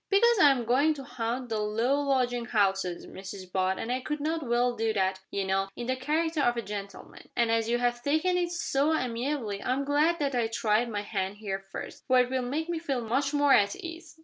"Because I am going to haunt the low lodging houses, Mrs Butt and I could not well do that, you know, in the character of a gentleman; and as you have taken it so amiably I'm glad I tried my hand here first, for it will make me feel much more at ease."